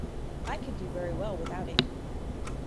I could do very well without it.